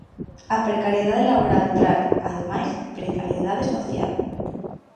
A precariedade laboral trae, ademais, precariedade social.